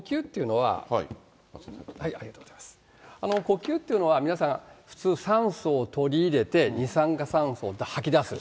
ご存じのように、呼吸っていうのは、呼吸というのは、皆さん普通、酸素を取り入れて、二酸化炭素を吐き出す。